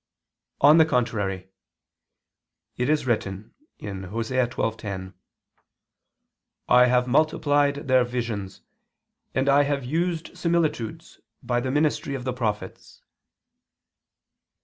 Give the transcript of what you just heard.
On the contrary, It is written (Osee 12:10): "I have multiplied" their "visions, and I have used similitudes, by the ministry of the prophets."